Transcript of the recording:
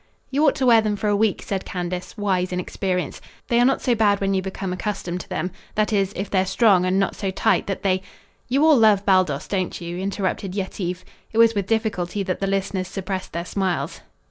"You ought to wear them for a week," said Candace, wise in experience. "They are not so bad when you become accustomed to them that is, if they're strong and not so tight that they " "You all love Baldos, don't you?" interrupted Yetive. It was with difficulty that the listeners suppressed their smiles.